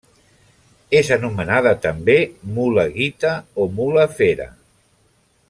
És anomenada també mula guita o mula fera.